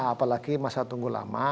apalagi masa tunggu lama